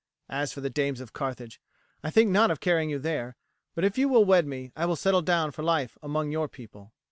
As for the dames of Carthage, I think not of carrying you there; but if you will wed me I will settle down for life among your people."